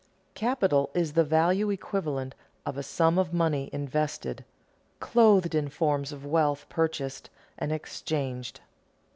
Capital is the value equivalent of a sum of money "invested," "clothed" in forms of wealth purchased and exchanged.